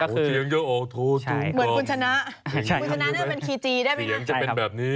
เสียงจะเป็นแบบนี้